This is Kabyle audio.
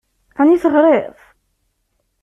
Ɛni teɣṛiḍ?